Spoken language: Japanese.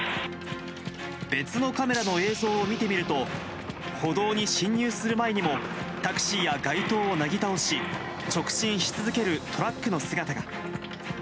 別のカメラの映像を見てみると、歩道に進入する前にも、タクシーや街灯をなぎ倒し、直進し続けるトラックの姿が。